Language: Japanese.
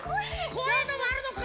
こういうのもあるのか！